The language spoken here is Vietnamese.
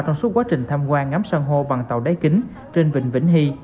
trong suốt quá trình tham quan ngắm sân hồ bằng tàu đáy kính trên vịnh vĩnh hy